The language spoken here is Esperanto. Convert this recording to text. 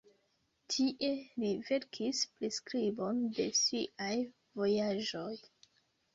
Tie li verkis priskribon de siaj vojaĝoj.